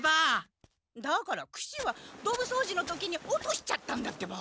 だからクシはどぶ掃除の時に落としちゃったんだってば！